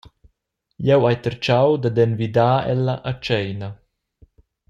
Jeu hai tertgau dad envidar ella a tscheina.